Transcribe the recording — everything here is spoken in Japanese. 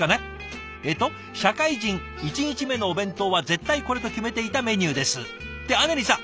えっと「社会人１日目のお弁当は絶対これと決めていたメニューです」ってあねりんさん。